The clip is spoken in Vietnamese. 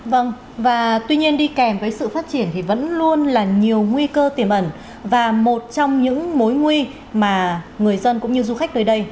vâng và tuy nhiên đi kèm với sự phát triển thì vẫn luôn là nhiều nguy cơ tiềm ẩn và một trong những mối nguy mà người dân cũng như du khách nơi đây